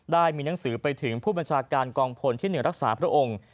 ได้มีหนังสือไปถึงผู้บัญชาการกองพลที่๑รักษาพระองค์